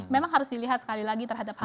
memang harus dilihat sekali lagi terhadap hal itu